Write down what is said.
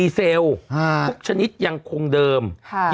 พี่โอ๊คบอกว่าเขินถ้าต้องเป็นเจ้าภาพเนี่ยไม่ไปร่วมงานคนอื่นอะได้